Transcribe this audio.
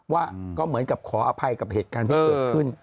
ว่าก็เหมือนกับขออภัยกับเหตุการณ์ที่เกิดขึ้น